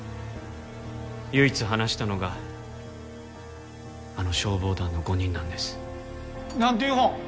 唯一話したのがあの消防団の５人なんです。なんていう本？